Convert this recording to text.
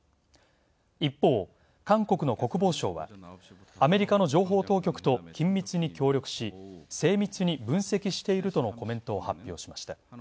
一方、韓国の国防省は「アメリカの情報当局と緊密に協力し、精密に分析している」とのコメントを発表しました。